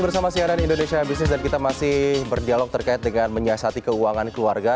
di indonesia business kita masih berdialog serta menyesati sayangan keluarga